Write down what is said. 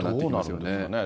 どうなるんですかね。